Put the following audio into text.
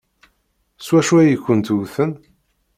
S wacu ay kent-wten?